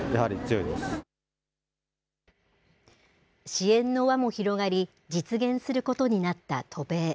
支援の輪も広がり実現することになった渡米。